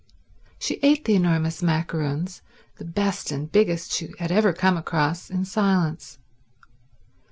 She ate the enormous macaroons, the best and biggest she had ever come across, in silence.